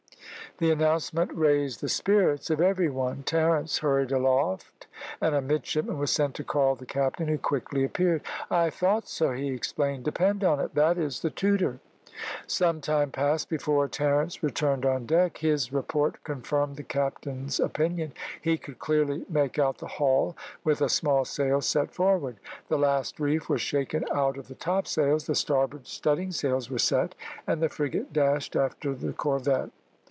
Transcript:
The announcement raised the spirits of every one. Terence hurried aloft, and a midshipman was sent to call the captain, who quickly appeared. "I thought so," he exclaimed. "Depend on it, that is the Tudor." Some time passed before Terence returned on deck. His report confirmed the captain's opinion. He could clearly make out the hull with a small sail set forward. The last reef was shaken out of the topsails, the starboard studding sails were set, and the frigate dashed after the corvette.